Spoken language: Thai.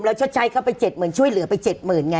เราชดใช้เขาไปเจ็ดหมื่นช่วยเหลือไปเจ็ดหมื่นไง